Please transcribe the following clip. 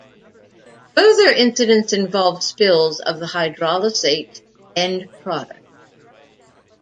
Further incidents involved spills of the hydrolysate end product.